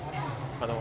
あの。